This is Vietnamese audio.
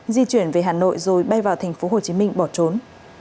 di chuyển về hà nội rồi bay vào tp hồ chí minh bỏ trốn